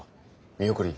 見送り。